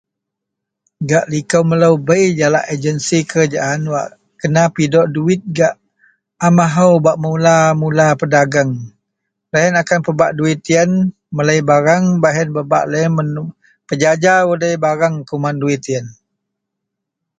Gak likou melou bei jalak agensi kerajaan wak kena pidok duwit gak amahou bak mula-mula pedagang. Loyen akan pebak duwit yen melei bareng baih yen bak loyen pejaja udei bareng kuman duwit yen.